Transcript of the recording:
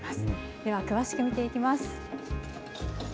では詳しく見ていきます。